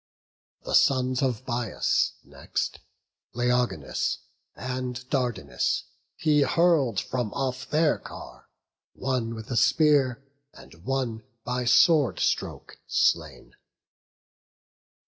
The sons of Bias next, Laogonus And Dardanus, he hurl'd from off their car, One with the spear, and one by sword stroke slain.